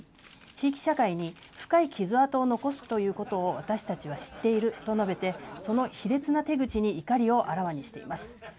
そして銃による暴力は地域社会に深い傷跡を残すということを私たちは知っていると述べてその卑劣な手口に怒りをあらわにしています。